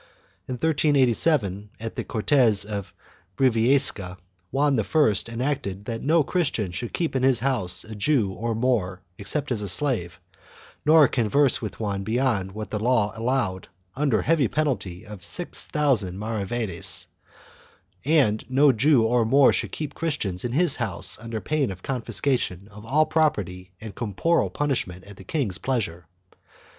1 In 1387, at the Cortes of Briviesca, Juan I enacted that no Christian should keep in his house a Jew or Moor, except as a slave, nor converse with one beyond what the law allowed, under the heavy penalty of 6000 maravedis, and no Jew or Moor should keep Christians in his house under pain of confiscation of all property and corporal punishment at the king's pleasure.